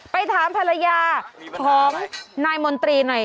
ไปถามภรรยาของนายมนตรีหน่อย